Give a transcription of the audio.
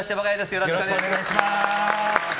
よろしくお願いします。